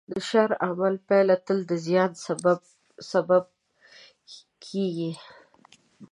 د شر عمل پایله تل د زیان سبب کېږي.